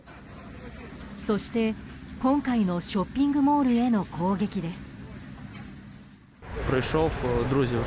そして、今回のショッピングモールへの攻撃です。